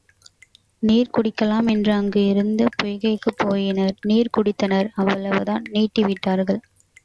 நீர் குடிக்கலாம் என்று அங்கு இருந்த பொய்கைக்குப் போயினர் நீர் குடித்தனர் அவ்வளவுதான் நீட்டிவிட்டார்கள்.